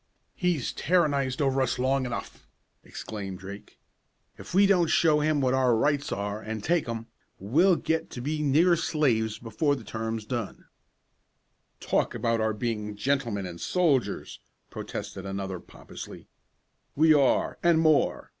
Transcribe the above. "He's tyrannized over us long enough!" exclaimed Drake. "If we don't show him what our rights are, an' take 'em, we'll get to be nigger slaves before the term's done!" "Talk about our being gentlemen and soldiers!" protested another, pompously. "We are, and more.